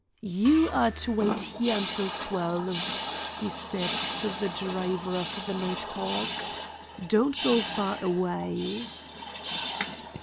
"You are to wait here until twelve," he said to the driver of the nighthawk. "Don't go far away."